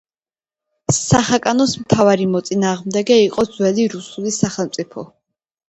სახაკანოს მთავარი მოწინააღმდეგე იყო ძველი რუსული სახელმწიფოს.